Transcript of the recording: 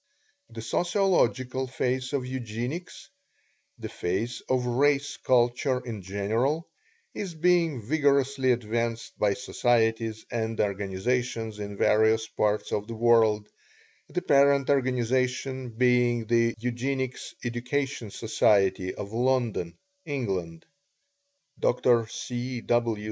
The sociological phase of Eugenics the phase of Race Culture in general is being vigorously advanced by societies and organizations in various parts of the world, the parent organization being the Eugenics Education Society, of London, England. Dr. C. W.